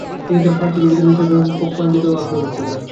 তিনি তার ফরাসি কবিতার বিষয়ে ব্যাপক পাণ্ডিত্য ও আগ্রহ ব্যক্ত করেন।